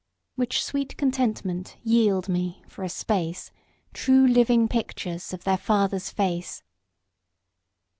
Which sweet contentment yield me for a space, True living pictures of their father's face.